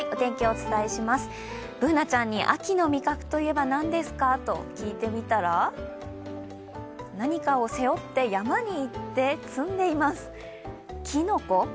Ｂｏｏｎａちゃんに秋の味覚といえば何ですか？と聞いてみたら何かを背負って山に行って摘んでいます。